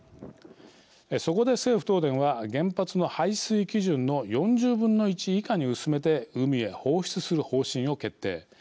そこで政府・東電は原発の排水基準の４０分の１以下に薄めて海へ放出する方針を決定。